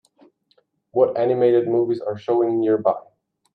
What animated movies are showing nearby